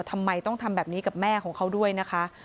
ทำไมต้องทำแบบนี้กับแม่ของเขาด้วยนะคะ